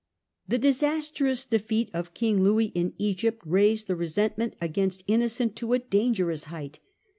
The disastrous defeat of King Louis in Egypt raised the resentment against Innocent to a dangerous height.